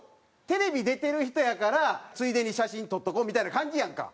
テレビ出てる人やからついでに写真撮っとこうみたいな感じやんか。